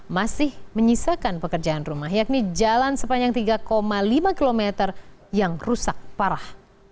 masih menyisakan pekerjaan rumah yakni jalan sepanjang tiga lima km yang rusak parah